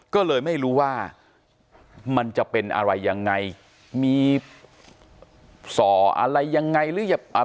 ก็เลยไม่รู้ว่ามันจะเป็นอะไรยังไงมีส่ออะไรยังไงหรือยังอ่า